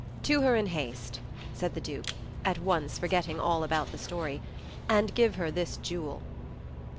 "To her in haste," said the Duke, at once forgetting all about the story, "and give her this jewel."